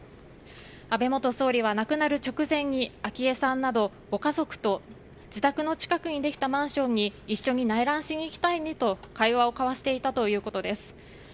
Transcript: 安倍元総理は亡くなる直前に昭恵さんなどご家族と自宅の近くにできたマンションに一緒に内覧しに行きたいねと会話を交わしていたということです。